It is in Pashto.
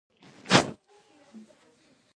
د ناکامیونو کیسې ولولئ دا سمه لار ده.